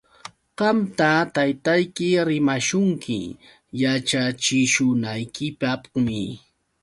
Qamta taytayki rimashunki yaćhachishunaykipaqmi.